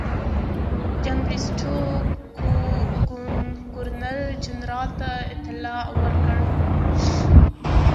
جان بریسټو ګورنر جنرال ته اطلاع ورکړه.